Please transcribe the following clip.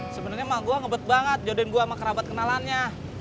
sebenarnya mah gue ngebet banget jodohin gue sama kerabat kenalannya